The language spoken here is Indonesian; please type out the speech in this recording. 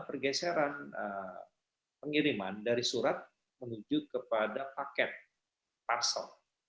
ada geseran pengiriman dari surat menuju kepada paket parcel